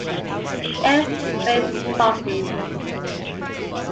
Ellie's face softened.